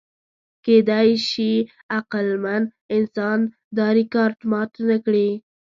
کېدی شي عقلمن انسان دا ریکارډ مات نهکړي.